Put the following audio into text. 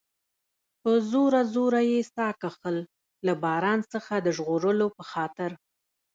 په زوره زوره یې ساه کښل، له باران څخه د ژغورلو په خاطر.